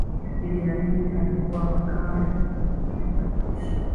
iddi amin alikuwa makamu mkuu wa jeshi